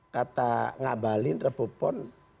kata ngabalin rebupon